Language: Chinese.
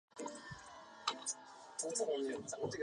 纽芬兰犬。